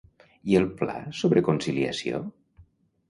I el pla sobre conciliació?